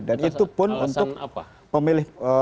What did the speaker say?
dan itu pun untuk pemilih